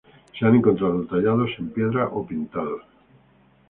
Se han encontrado tallados en piedra o pintados.